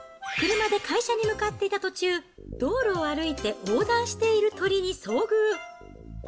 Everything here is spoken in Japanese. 車で会社に向かっていた途中、道路を歩いて横断している鳥に遭遇。